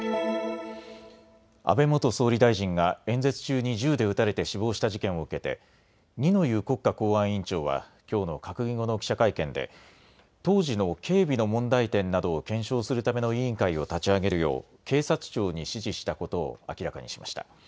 安倍元総理大臣が演説中に銃で撃たれて死亡した事件を受けて二之湯国家公安委員長はきょうの閣議後の記者会見で当時の警備の問題点などを検証するための委員会を立ち上げるよう警察庁に指示したことを明らかにしました。